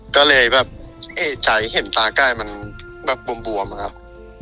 ก็เลยแบบเอกใจเห็นตาใกล้มันแบบบวมอะครับ